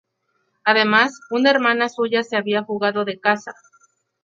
Además, una hermana suya se había fugado de casa.